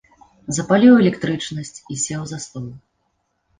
Запаліў электрычнасць і сеў за стол.